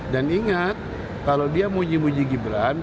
ingat kalau dia muji muji gibran